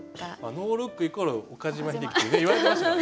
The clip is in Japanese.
ノールックイコール岡島秀樹ってね言われてましたからね。